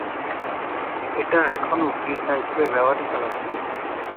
এটা এখনো গীর্জা হিসেবে ব্যবহৃত হচ্ছে।